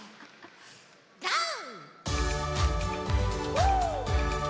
ゴー！